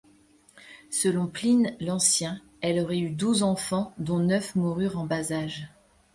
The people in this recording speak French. Selon Pline l'Ancien, elle aurait eu douze enfants, dont neuf moururent en bas âge.